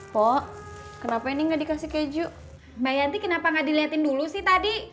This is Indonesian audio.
po kenapa ini nggak dikasih keju bayar dikenapa nggak dilihatin dulu sih tadi